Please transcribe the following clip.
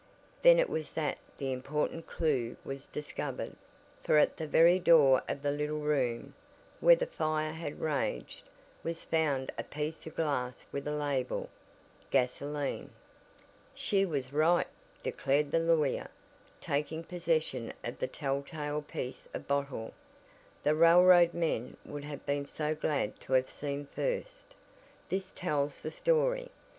Then it was that the important clew was discovered, for at the very door of the little room, where the fire had raged, was found a piece of glass with a label! Gasoline! "She was right," declared the lawyer, taking possession of the tell tale piece of bottle, the railroad men would have been so glad to have seen first, "this tells the story.